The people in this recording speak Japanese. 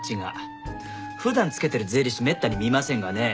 普段つけてる税理士めったに見ませんがね。